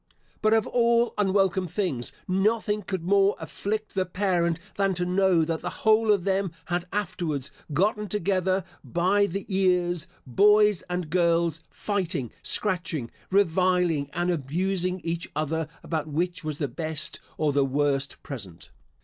But of all unwelcome things, nothing could more afflict the parent than to know, that the whole of them had afterwards gotten together by the ears, boys and girls, fighting, scratching, reviling, and abusing each other about which was the best or the worst present.